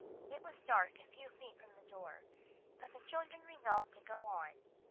It was dark a few feet from the door, but the children resolved to go on.